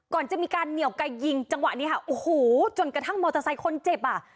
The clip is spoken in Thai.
ก่อนจะมีการเหนียวไกลยิงจังหวะนี้ค่ะโอ้โหจนกระทั่งมอเตอร์ไซค์คนเจ็บอ่ะ